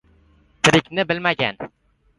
— Tirikni bilmagan